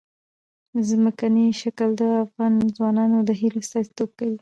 ځمکنی شکل د افغان ځوانانو د هیلو استازیتوب کوي.